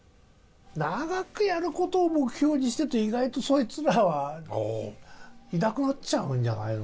長くやる事を目標にしてると意外とそいつらはいなくなっちゃうんじゃないの？